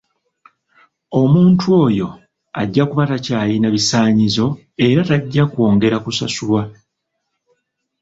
Omuntu oyo ajja kuba takyalina bisaanyizo era tajja kwongera kusasulwa.